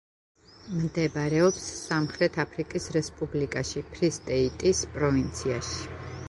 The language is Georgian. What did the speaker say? მდებარეობს სამხრეთ აფრიკის რესპუბლიკაში, ფრი-სტეიტის პროვინციაში.